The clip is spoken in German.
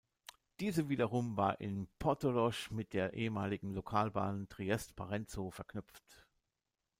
Diese wiederum war in Portorož mit der ehemaligen Lokalbahn Triest–Parenzo verknüpft.